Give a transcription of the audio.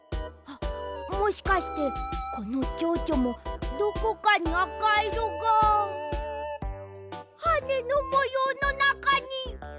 あっもしかしてこのちょうちょもどこかにあかいろがはねのもようのなかに。